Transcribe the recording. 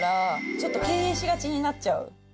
ちょっと敬遠しがちになっちゃう。